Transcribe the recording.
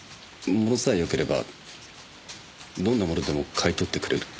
ものさえよければどんなものでも買い取ってくれるって。